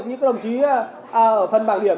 như các đồng chí ở phần bảng điểm